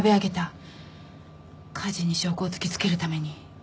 梶に証拠を突き付けるために。